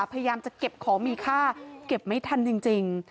พยายามจะเก็บของมีค่าเก็บไม่ทันจริง